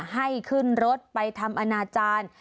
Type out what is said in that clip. ให้ขึ้นรถไปทำอนาจารย์